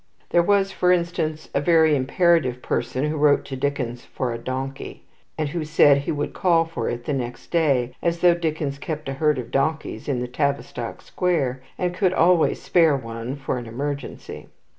There was, for instance, a very imperative person who wrote to Dickens for a donkey, and who said he would call for it the next day, as though Dickens kept a herd of donkeys in Tavistock Square, and could always spare one for an emergency.